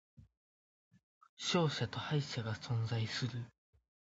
勝者と敗者が存在する